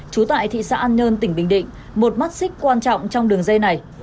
trú tại thị xã an nhơn tỉnh bình định một mắt xích quan trọng trong đường dây này